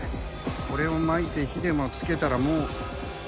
これをまいて火でもつけたらもう。